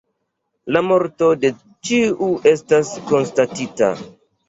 La morto de ĉiu estas konstatita.